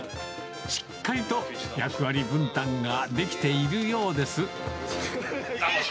しっかりと役割分担ができているようです。